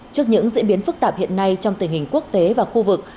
trước những diễn biến phức tạp hiện nay trong tình hình quốc tế và khu vực